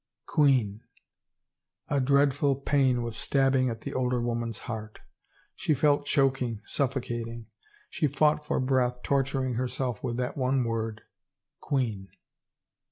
Queen! A dreadful pain was stabbing at the older woman's heart. She felt choking, suffocating. She fought for breath, torturing herself with that one word — queen.